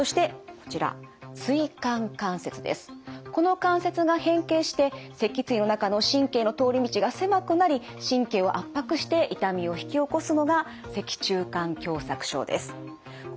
この関節が変形して脊椎の中の神経の通り道が狭くなり神経を圧迫して痛みを引き起こすのが脊柱管狭窄症です。